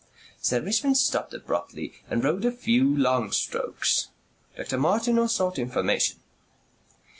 Sir Richmond stopped abruptly and rowed a few long strokes. Dr. Martineau sought information.